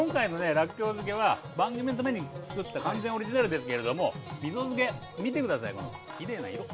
らっきょう漬けは番組のためにつくった完全オリジナルですけれどもみそ漬け見て下さいこのきれいな色。